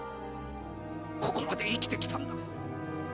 ここまで生きてきたんだ。